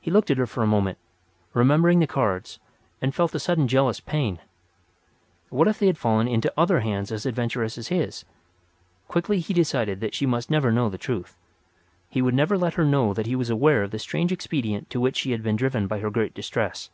He looked at her for a moment, remembering the cards, and felt a sudden jealous pain. What if they had fallen into other hands as adventurous as his? Quickly he decided that she must never know the truth. He would never let her know that he was aware of the strange expedient to which she had been driven by her great distress.